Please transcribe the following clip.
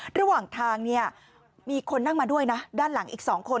ระหว่างทางเนี่ยมีคนนั่งมาด้วยนะด้านหลังอีก๒คน